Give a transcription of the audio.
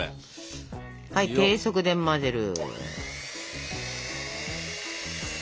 はい低速で混ぜる。